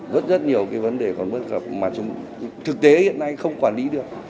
rất nhiều vấn đề còn bất cập mà thực tế hiện nay không quản lý được